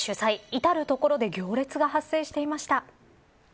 いたる所で行列が発生していました。